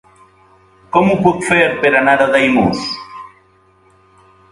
Com ho puc fer per anar a Daimús?